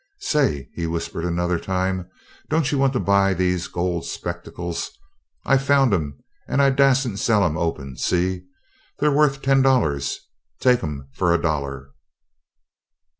"Say," he whispered another time, "don't you want to buy these gold spectacles? I found 'em and I dassen't sell 'em open, see? They're worth ten dollars take 'em for a dollar."